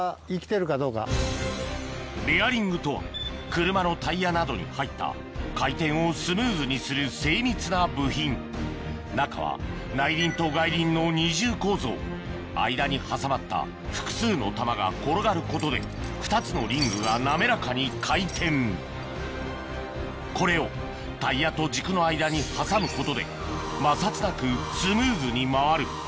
ベアリングとは車のタイヤなどに入った回転をスムーズにする精密な部品中は内輪と外輪の二重構造間に挟まった複数の玉が転がることで２つのリングが滑らかに回転これをタイヤと軸の間に挟むことで摩擦なくスムーズに回る